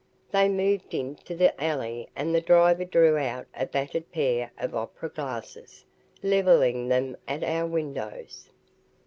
They moved into the alley and the driver drew out a battered pair of opera glasses, levelling them at our windows.